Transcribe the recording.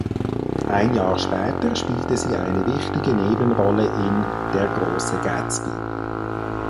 Ein Jahr später spielte sie eine wichtige Nebenrolle in Der große Gatsby.